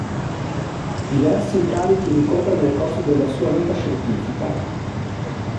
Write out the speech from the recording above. Diversi incarichi ricopre nel corso della sua vita scientifica.